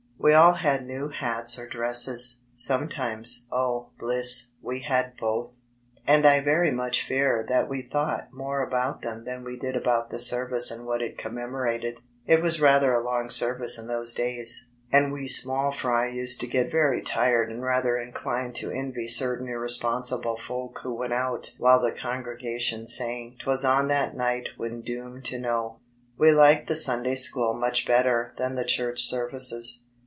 We all had new hats or dresses, sometimes, oh, bliss, we had both! And I very much fear that we thought more about them than we did about the service and what it commemorared. It was rather a long service in those days, and we small fry used to get very dred and rather inclined to envy certain irresponsible folk who went out while the congregation sang " 'Twas on that night when doomed to know." We liked the Sunday School much better than the church services.